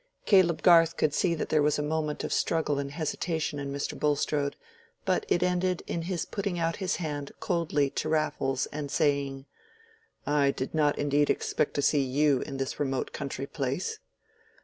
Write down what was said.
Caleb Garth could see that there was a moment of struggle and hesitation in Mr. Bulstrode, but it ended in his putting out his hand coldly to Raffles and saying— "I did not indeed expect to see you in this remote country place."